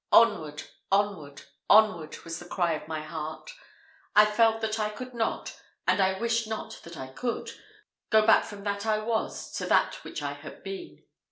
Onward! onward! onward! was the cry of my heart. I felt that I could not and I wished not that I could go back from that I was to that which I had been.